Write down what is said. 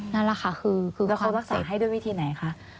นั่นแหละค่ะคือความสิทธิ์แล้วเขารักษาให้ด้วยวิธีไหนคะ